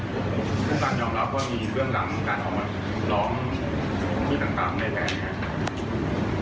ผมก็ยอมรับว่ามีเผวงลำการมาดน้ำ